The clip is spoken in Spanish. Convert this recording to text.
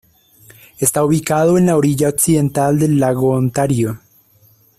Está ubicado en la orilla occidental del lago Ontario.